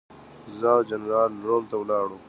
زه او جنرال روم ته ولاړو.